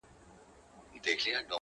همدا اوس وايم درته؛